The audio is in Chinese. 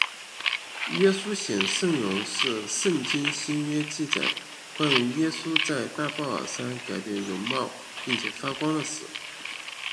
耶稣显圣容是圣经新约记载关于耶稣在大博尔山改变容貌并且发光的事。